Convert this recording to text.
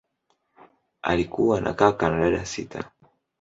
Alikuwa na kaka na dada sita.